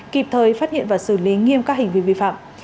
kịp thời phát hiện và xử lý nghiêm các hình vị vi phạm